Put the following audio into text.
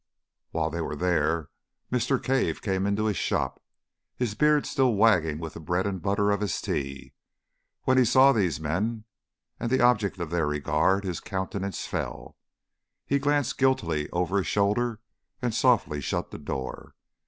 While they were there, Mr. Cave came into his shop, his beard still wagging with the bread and butter of his tea. When he saw these men and the object of their regard, his countenance fell. He glanced guiltily over his shoulder, and softly shut the door.